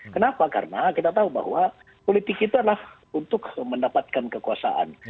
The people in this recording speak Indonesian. kenapa karena kita tahu bahwa politik itu adalah untuk mendapatkan kekuasaan